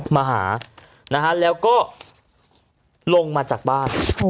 มาหานะฮะแล้วก็ลงมาจากบ้าน